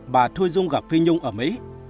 bà thuê dung gặp phi nhung ở mỹ